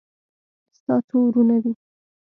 ستا څو ورونه دي